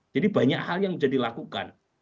jadi banyak hal yang bisa dilakukan